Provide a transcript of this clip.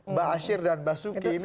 mba asyir dan mba suki ini